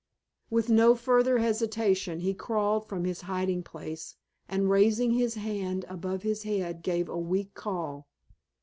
With no further hesitation he crawled from his hiding place and raising his hand above his head gave a weak call.